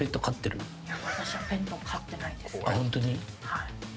はい。